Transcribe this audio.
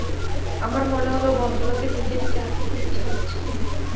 আমার মনে হল ভদ্রলোকের নিজেরই চা খেতে ইচ্ছে হচ্ছে!